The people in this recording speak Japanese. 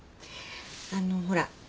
あのうほら。